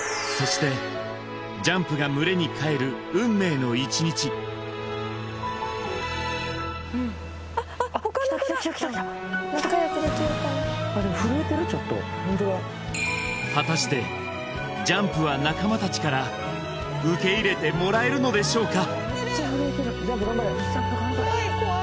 このあとそして来た来た来た果たしてジャンプは仲間たちから受け入れてもらえるのでしょうか？